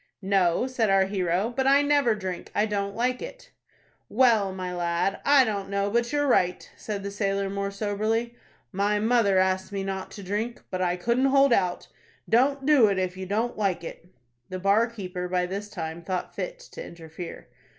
"No," said our hero; "but I never drink. I don't like it." "Well, my lad, I don't know but you're right," said the sailor, more soberly. "My mother asked me not to drink; but I couldn't hold out. Don't do it, if you don't like it." The bar keeper by this time thought fit to interfere.